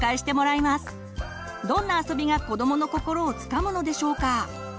どんなあそびが子どもの心をつかむのでしょうか？